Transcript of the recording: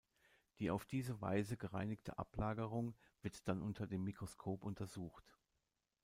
Die auf diese Weise gereinigte Ablagerung wird dann unter dem Mikroskop untersucht.